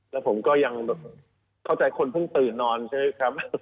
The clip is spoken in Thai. แล้วผมก็ยังแบบเข้าใจคนเพิ่งตื่นนอนใช่ไหมครับ